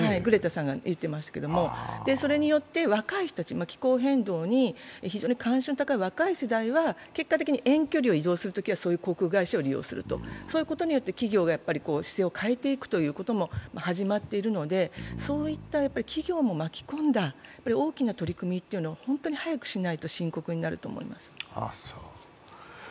それによって気候変動に関心の高い若い世代は結果的に遠距離を移動するときはそういう航空会社を利用すると、そういうことによって企業が姿勢を変えていくことも始まっているのでそういった企業も巻き込んだ大きな取り組みを本当に早くしないと深刻になると思います。